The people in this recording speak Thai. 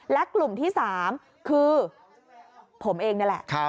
และกลุ่มที่๓คือผมเองนี่แหละ